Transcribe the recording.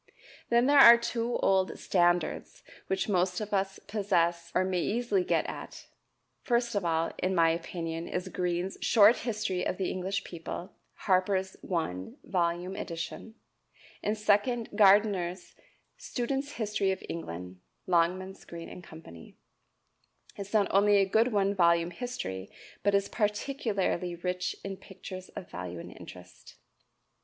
Then there are two old "standards" which most of us possess or may easily get at. First of all, in my opinion, is Green's "Short History of the English People" (Harper's one volume edition); and second, Gardiner's "Student's History of England" (Longmans, Green & Co.) is not only a good one volume history, but is particularly rich in pictures of value and interest.